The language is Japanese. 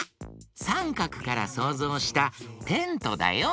さんかくからそうぞうしたテントだよ。